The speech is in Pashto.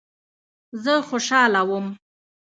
زه خوشاله وم.